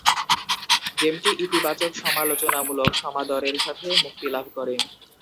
গেমটি ইতিবাচক সমালোচনামূলক সমাদর এর সাথে মুক্তি লাভ করে।